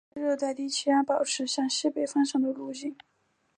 该热带低气压保持向西北方向的路径。